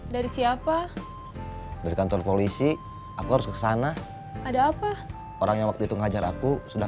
dari siapa dari kantor polisi aku harus ke sana ada apa orangnya waktu itu ngajar aku sudah